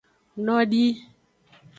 Nodii.